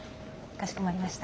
かしこまりました。